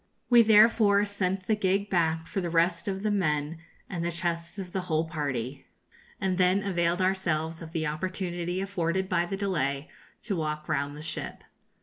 We therefore sent the gig back for the rest of the men and the chests of the whole party, and then availed ourselves of the opportunity afforded by the delay to walk round the ship.